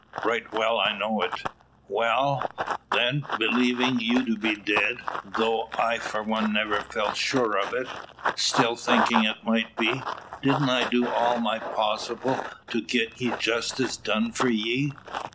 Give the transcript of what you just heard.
"Right well I know it." "Wal, then, believin' you to be dead tho' I for one never felt sure o't still thinking it might be didn't I do all my possible to git justice done for ye?"